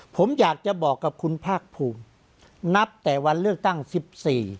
ผมอยากจะบอกกับคุณภาคภูมินับแต่วันเลือกตั้งสิบสี่